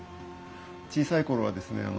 小さい頃はですね